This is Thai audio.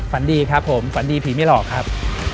ฝันดีครับผมฝันดีผีไม่หลอกครับ